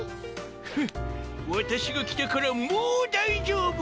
フッわたしが来たからもう大丈夫。